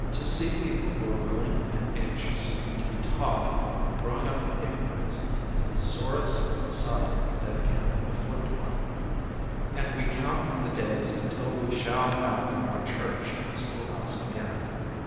To see people who are willing and anxious to be taught growing up in ignorance is the sorest sight that can afflict one ; and we count the days until we shall have our church and schooihouse again.